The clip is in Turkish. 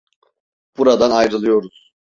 Buradan ayrılıyoruz.